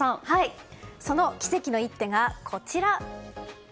その奇跡の一手がこちら。